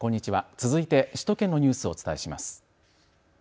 続いて首都圏のニュースをお伝えします。